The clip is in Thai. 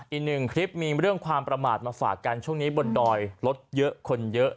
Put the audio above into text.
อีกหนึ่งคลิปมีเรื่องความประมาทมาฝากกันช่วงนี้บนดอยรถเยอะคนเยอะ